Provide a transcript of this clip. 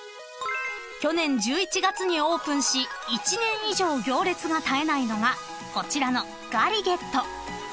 ［去年１１月にオープンし１年以上行列が絶えないのがこちらの］